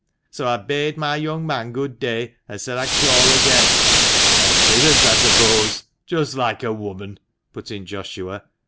So I bade my young man good day, an' said I'd call again." " And didn't, I suppose. Just like a woman," put in Joshua.